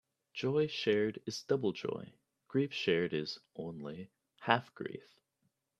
Joy shared is double joy; grief shared is (only) half grief.